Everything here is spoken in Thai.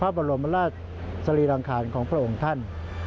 พระบรมราชสรีรังคารของพระองค์ท่าน